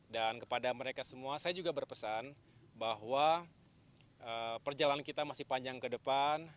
dan kepada mereka semua saya juga berpesan bahwa perjalanan kita masih panjang ke depan